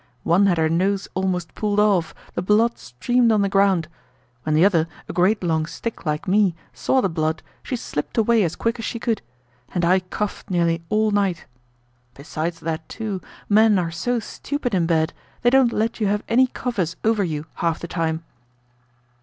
One had her nose almost pulled off; the blood streamed on the ground. When the other, a great long stick like me, saw the blood, she slipped away as quick as she could. And I coughed nearly all night. Besides that too, men are so stupid in bed, they don't let you have any covers over you half the time."